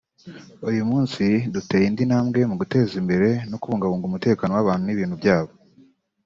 Uyu munsi duteye indi ntambwe mu guteza imbere no kubungabunga umutekano w’abantu n’ibintu byabo